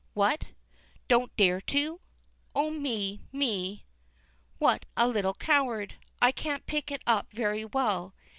What? Don't dare to? Oh, me, me, what a little coward! I can't pick it up very well.